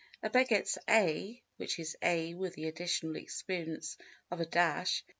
A begets A′ which is A with the additional experience of a dash.